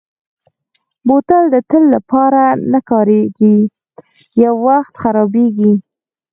بوتل د تل لپاره نه کارېږي، یو وخت خرابېږي.